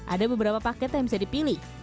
ada beberapa paket yang bisa dipilih